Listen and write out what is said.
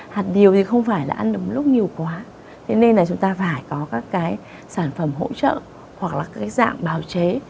hạt điều thì không phải là ăn lúc nhiều quá thế nên là chúng ta phải có các sản phẩm hỗ trợ hoặc là dạng bào chế